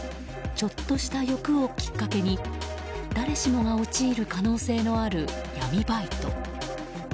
ちょっとした欲をきっかけに誰しもが陥る可能性のある闇バイト。